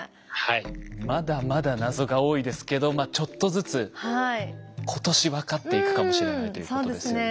まだまだ謎が多いですけどちょっとずつ今年分かっていくかもしれないということですよね。